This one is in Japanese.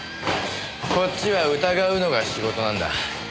こっちは疑うのが仕事なんだ。